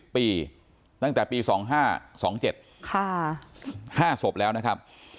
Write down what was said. ๓๐ปีตั้งแต่ปี๒๐๐๕๒๐๐๗ห้าศพแล้วนะครับ